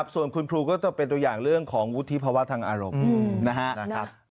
ส่วนคุณครูก็จะเป็นตัวอย่างเรื่องของวุฒิภาวะทางอารมณ์นะครับ